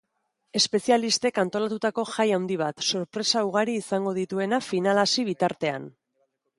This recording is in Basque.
Espezialistek antolatutako jai handi bat, sorpresa ugari izango dituena finala hasi bitartean.